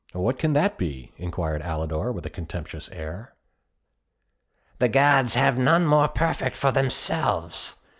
"What can that be?" inquired Alidor, with a contemptuous air. "The gods have none more perfect for themselves!"